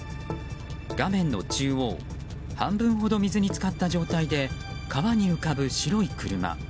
画面の中央、半分ほど水に浸かった状態で川に浮かぶ白い車。